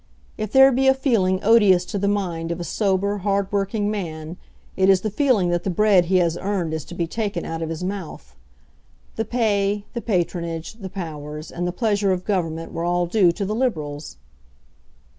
If there be a feeling odious to the mind of a sober, hardworking man, it is the feeling that the bread he has earned is to be taken out of his mouth. The pay, the patronage, the powers, and the pleasure of Government were all due to the Liberals.